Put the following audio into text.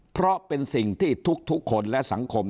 เพราะเป็นสิ่งที่ทุกคนและสังคม